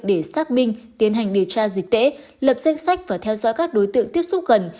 để xác minh tiến hành điều tra dịch tễ lập danh sách và theo dõi các đối tượng tiếp xúc gần